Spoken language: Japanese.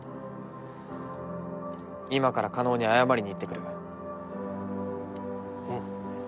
今から叶に謝りに行ってくるうん